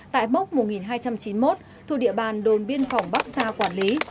tại mốc một nghìn hai trăm chín mươi một thuộc địa bàn đồn biên phòng bắc sa quản lý